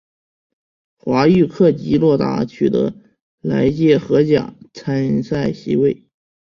华域克及洛达取得来届荷甲参赛席位。